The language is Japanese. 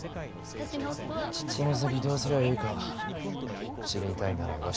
この先どうすりゃえいか知りたいならわしと来い。